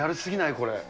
これ。